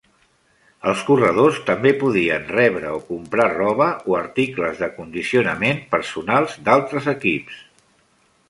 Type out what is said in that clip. Els corredors també podien rebre o comprar roba o articles d'acondiciament personal d'altres equips.